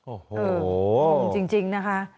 โอ้โหงงจริงนะคะ